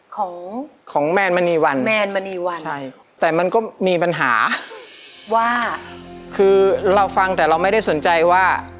ของของแมนมณีวันแมนมณีวันใช่แต่มันก็มีปัญหาว่าคือเราฟังแต่เราไม่ได้สนใจว่า